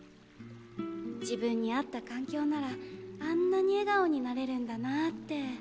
自分に合った環境ならあんなに笑顔になれるんだなあって。